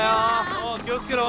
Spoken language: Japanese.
お気をつけろ。